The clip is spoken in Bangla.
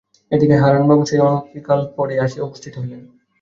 এ দিকে হারানবাবুও সেই দিনই অনতিকাল পরেই আসিয়া উপস্থিত হইলেন।